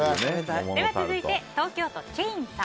続いて、東京都の方。